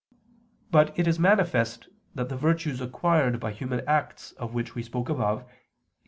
But it is manifest that the virtues acquired by human acts of which we spoke above (Q.